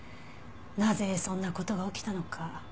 なぜそんな事が起きたのか。